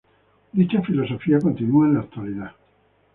Dicha filosofía continúa en la actualidad.